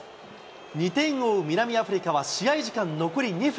２点を追う南アフリカは、試合時間残り２分。